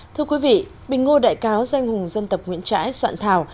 thưa quý vị bình ngô đại cáo doanh hùng dân tập nguyễn trãi soạn thảo